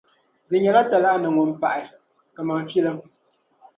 Di nyɛla talahi ni ŋun’ pahi, ka man’ filim.